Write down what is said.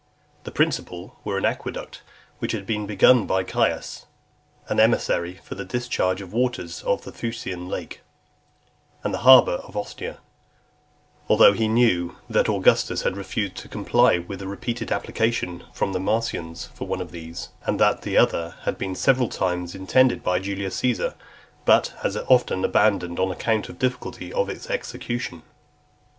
The principal were an aqueduct, which had been begun by Caius; an emissary for the discharge of the waters of the Fucine lake , and the harbour of Ostia; although he knew that Augustus had refused to comply with the repeated application of the Marsians for one of these; and that the other had been several times intended by Julius Caesar, but as often abandoned on account of the difficulty of its execution.